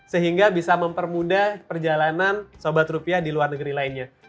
sehingga bisa mempermudah perjalanan sobat rupiah di luar negeri lainnya